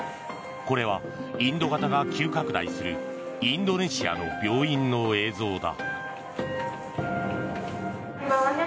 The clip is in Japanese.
これはインド型が急拡大するインドネシアの病院の映像だ。